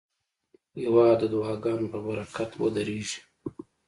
هېواد د دعاګانو په برکت ودریږي.